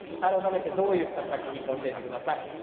改めてどういった作品か教えてください。